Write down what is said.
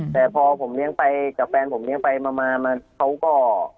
แต่พอผมเลี้ยงไปกับแฟนผมเลี้ยงไปมาเขาก็